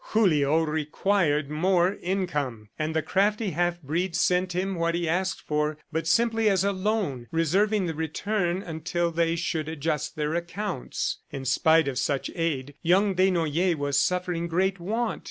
Julio required more income, and the crafty half breed sent him what he asked for, but simply as a loan, reserving the return until they should adjust their accounts. In spite of such aid, young Desnoyers was suffering great want.